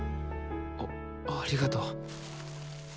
あありがとう。